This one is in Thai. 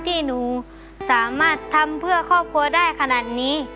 ที่หนูสามารถทำเพื่อครอบครัวได้ขนาดนี้